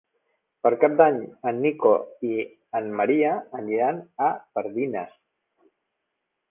Per Cap d'Any en Nico i en Maria aniran a Pardines.